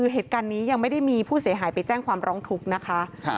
เหตุการณ์นี้ยังไม่ได้มีผู้เสียหายไปแจ้งความร้องทุกข์นะคะ